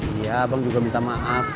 iya bang juga minta maaf